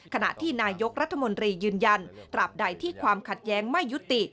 ขณะที่นายกรัฐมนตรียืนยันตราบใดที่ความขัดแย้งไม่ยุติ